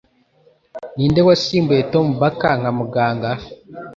Ninde wasimbuye Tom Baker nka Muganga?